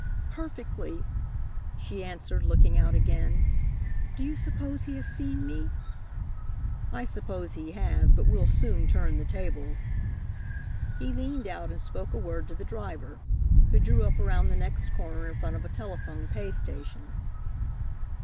"Perfectly," she answered, looking out again. "Do you suppose he has seen me?" "I suppose he has, but we'll soon turn the tables." He leaned out and spoke a word to the driver, who drew up around the next corner in front of a telephone pay station.